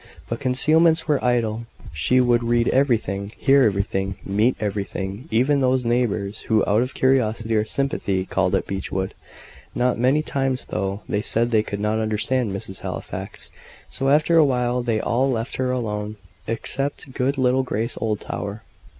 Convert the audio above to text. But concealments were idle she would read everything hear everything meet everything even those neighbours who out of curiosity or sympathy called at Beechwood. Not many times, though; they said they could not understand Mrs. Halifax. So, after a while, they all left her alone, except good little Grace Oldtower.